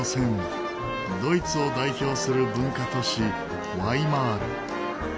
ドイツを代表する文化都市ワイマール。